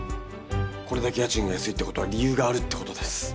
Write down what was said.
これだけ家賃が安いってことは理由があるってことです。